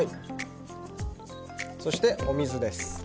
そしてお水です。